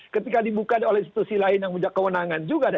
ketika dibuka oleh institusi lain yang punya kewenangan juga